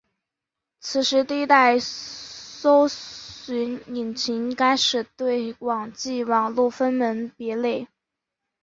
此时第一代搜寻引擎开始对网际网路分门别类。